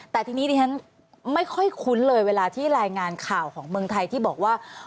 แต่ทีนี้ดิฉันไม่ค่อยคุ้นเลยเวลาที่รายงานข่าวของเมืองไทยที่บอกว่า